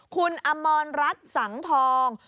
คุณอมรรัฐสังทอง